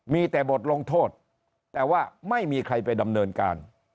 มีแต่บทลงโทษแต่ว่าไม่มีใครไปดำเนินการ